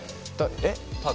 えっ？